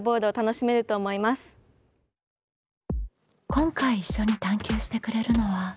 今回一緒に探究してくれるのは。